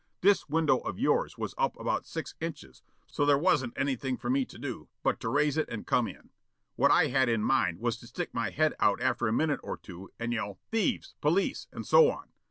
This window of yours was up about six inches, so there wasn't anything for me to do but to raise it and come in. What I had in mind was to stick my head out after a minute or two and yell 'thieves', 'police', and so on.